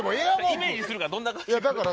イメージするからどんな感じか。